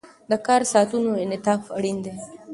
د کار ساعتونو انعطاف اړین دی.